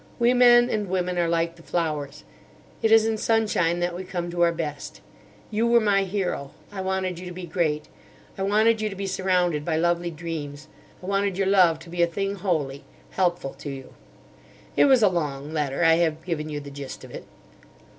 We men and women are like the flowers. It is in sunshine that we come to our best. You were my hero. I wanted you to be great. I wanted you to be surrounded by lovely dreams. I wanted your love to be a thing holy, helpful to you.' "It was a long letter. I have given you the gist of it."